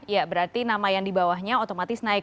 ya berarti nama yang di bawahnya otomatis naik